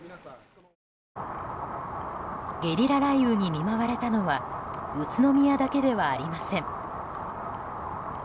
ゲリラ雷雨に見舞われたのは宇都宮だけではありません。